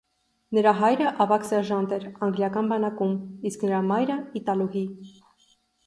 Նրա հայրը ավագ սերժանտ էր անգլիական բանակում, իսկ նրա մայրը՝ իտալուհի։